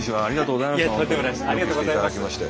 ありがとうございます。